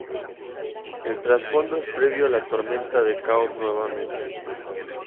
El trasfondo es previo a la tormenta del caos nuevamente.